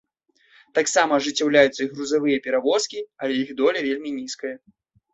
Таксама ажыццяўляюцца і грузавыя перавозкі, але іх доля вельмі нізкая.